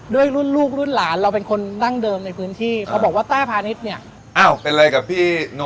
ด้วยรุ่นลูกรุ่นหลานเราเป็นคนดั้งเดิมในพื้นที่